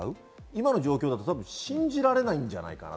今の状況だと多分、信じられないんじゃないかな？